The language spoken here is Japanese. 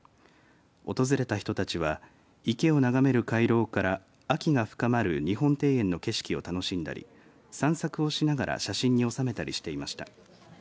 訪れた人たちは池を眺める回廊から秋が深まる日本庭園の景色を楽しんだり散策をしながら写真に収めたりしていました。